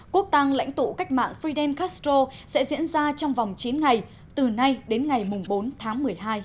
quốc tăng lãnh tụ cách mạng fidel castro sẽ diễn ra trong vòng chín ngày từ nay đến ngày bốn tháng một mươi hai